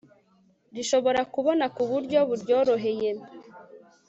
rishobora kubona ku buryo buryoroheye